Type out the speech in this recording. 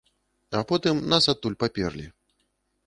А потым нас адтуль паперлі.